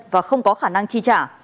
và không có khả năng chi trả